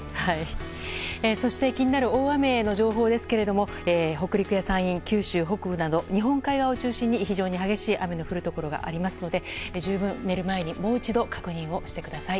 そして気になる大雨の情報ですが北陸や山陰、九州北部など日本海側を中心に非常に激しい雨が降るところがありますので十分、寝る前にもう一度確認してください。